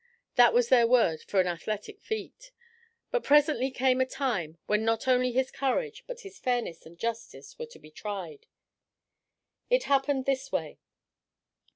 That was their word for an athletic feat. But presently came a time when not only his courage but his fairness and justice were to be tried. It happened in this way.